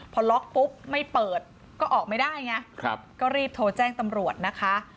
พอล็อกปุ๊บไม่เปิดก็ออกไม่ได้ไงก็รีบโทรแจ้งตำรวจนะคะ